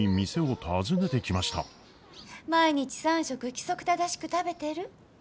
毎日３食規則正しく食べてる？